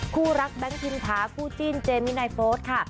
คู่รักแบงค์ชีมภาค์คู่จีนเจมส์มินาฟอสค่ะ